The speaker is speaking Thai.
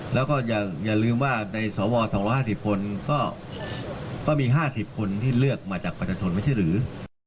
แล้วก็อย่าลืมว่าในสว๒๕๐คนก็มี๕๐คนที่เลือกมาจากประชาชนไม่ใช่หรือ